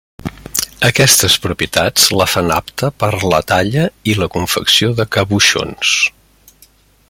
Aquestes propietats la fan apta per a la talla i la confecció de caboixons.